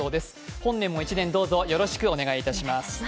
本年も１年どうぞよろしくお願いいたします。